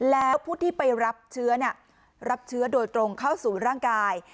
แล้วผู้ที่ไปรับเชื้อรับเชื้อโดยตรงเข้าสู่ร่างกาย